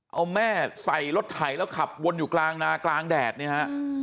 เอาแม่ใส่รถไถแล้วขับวนอยู่กลางนากลางแดดเนี่ยฮะ